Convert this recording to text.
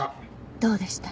どうでした？